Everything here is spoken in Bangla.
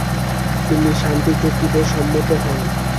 তিনি শান্তি চুক্তিতে সম্মত হন।